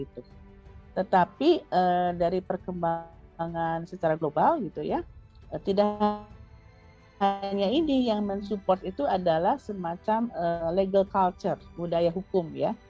tetapi dari perkembangan secara global gitu ya tidak hanya ini yang mensupport itu adalah semacam legal culture budaya hukum ya